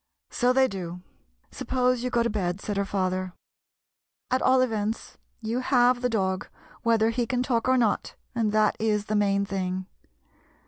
" So they do. Suppose you go to bed," said her father. "At all events, you have the dog, whether he can talk or not, and that is the main thing.